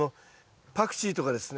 パクチーとかですね